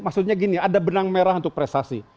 maksudnya gini ada benang merah untuk prestasi